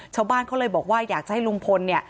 ชาวบ้านเขาเลยบอกว่าอยากจะให้ลุงพลเนี่ย